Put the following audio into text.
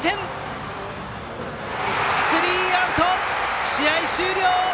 スリーアウト、試合終了！